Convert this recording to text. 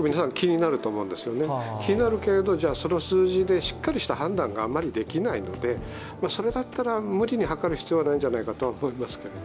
皆さん気になると思うんですよね、気になるけどそれを数字でしっかりした判断があまりできないので、それだったら無理に測る必要はないんじゃないかと思いますけれども。